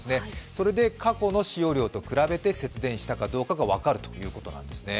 それで過去の使用量と比べて節電したことが分かるということなんですね。